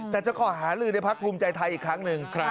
แต่จะขอหาลือในพักภูมิใจไทยอีกครั้งหนึ่ง